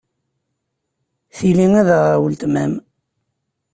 Tili ad aɣeɣ weltma-m.